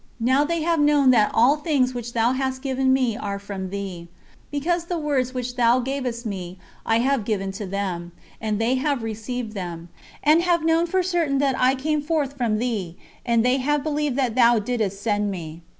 Now they have known that all things which Thou hast given me are from Thee: because the words which Thou gavest me I have given to them; and they have received them, and have known for certain that I came forth from Thee, and they have believed that Thou didst send me.